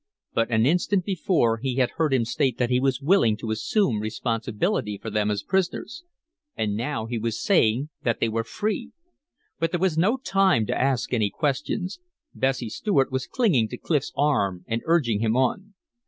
But an instant before he had heard him state that he was willing to assume responsibility for them as prisoners. And now he was saying that they were free! But there was no time to ask any questions. Bessie Stuart was clinging to Clif's arm and urging him on.